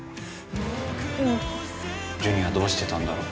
ジュニはどうしてたんだろう。